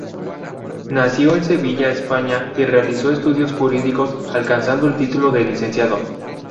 Nació en Sevilla, España, y realizó estudios jurídicos, alcanzando el título de licenciado.